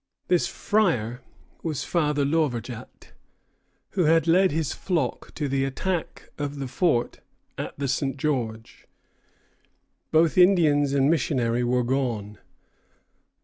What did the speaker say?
" This "Fryer" was Father Lauverjat, who had led his flock to the attack of the fort at the St. George. Both Indians and missionary were gone.